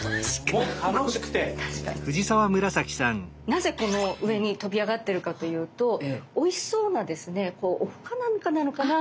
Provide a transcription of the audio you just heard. なぜこの上に跳び上がってるかというとおいしそうなですねお麩かなんかなのかな？